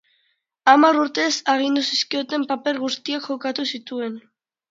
Hamar urtez, agindu zizkioten paper guztiak jokatu zituen.